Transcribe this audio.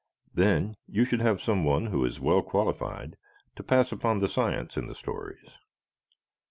Then, you should have someone who is well qualified to pass upon the science in the stories.